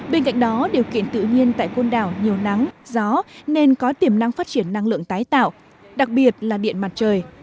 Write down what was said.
bên cạnh đó điều kiện tự nhiên tại côn đảo nhiều nắng gió nên có tiềm năng phát triển năng lượng tái tạo đặc biệt là điện mặt trời